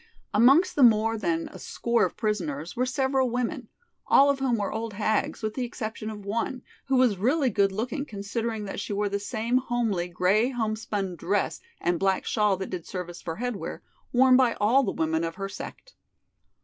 Amongst the more than a score of prisoners were several women, all of whom were old hags with the exception of one, who was really good looking considering that she wore the same homely, gray homespun dress and black shawl that did service for headwear, worn by all the women of her sect.